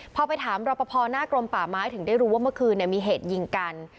พอไปถามรอปภหน้ากรมป่าไม้ถึงได้รู้ว่าเมื่อคืนมีเหตุยิงกัน